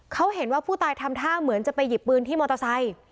เขาเห็นว่าผู้ตายทำท่าเหมือนจะไปหยิบปืนที่มอเตอร์ไซค์